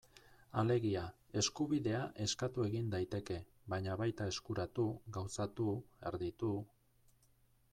Alegia, eskubidea eskatu egin daiteke, baina baita eskuratu, gauzatu, erditu...